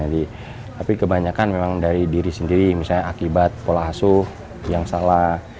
tapi kebanyakan memang dari diri sendiri misalnya akibat pola asuh yang salah